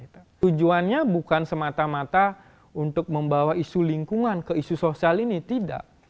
tujuannya bukan semata mata untuk membawa isu lingkungan ke isu sosial ini tidak